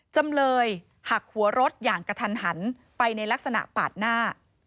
จำเลยหักหัวรถอย่างกระทันหันไปในลักษณะปาดหน้า